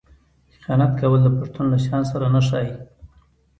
خیانت کول د پښتون له شان سره نه ښايي.